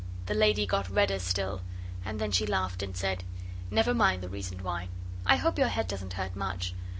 The lady got redder still, and then she laughed and said 'Never mind the reason why. I hope your head doesn't hurt much.